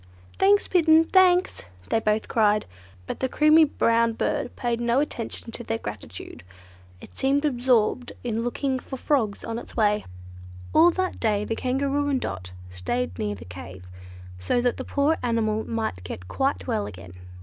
"Thanks, Bittern! thanks!" they both cried, but the creamy brown bird paid no attention to their gratitude: it seemed absorbed in looking for frogs on its way. All that day the Kangaroo and Dot stayed near the cave, so that the poor animal might get quite well again.